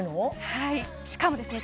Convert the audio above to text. はいしかもですね